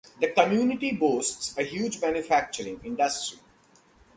The community boasts a huge manufacturing industry.